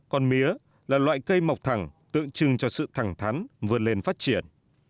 còn mía là loại cây mọc thẳng tượng trưng cho sự thẳng thắn vượt lên phát triển